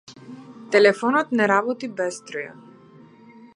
Телефонот не работи без струја.